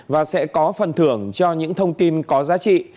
và sẽ có phần thưởng cho những thông tin có giá trị